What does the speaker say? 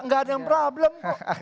enggak ada yang problem